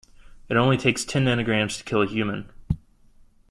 It only takes ten nanograms to kill a human.